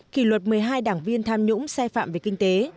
kỷ luật một mươi hai đảng viên tham nhũng sai phạm về kinh tế